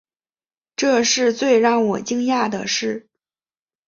这是最让我惊讶的事